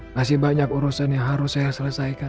masih banyak urusan yang harus saya selesaikan